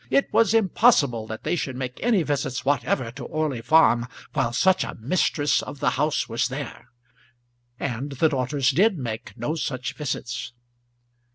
It was impossible that they should make any visits whatever to Orley Farm while such a mistress of the house was there; and the daughters did make no such visits.